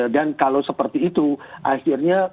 dan kalau seperti itu akhirnya